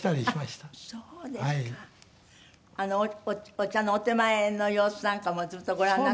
お茶のお点前の様子なんかもずっとご覧になって。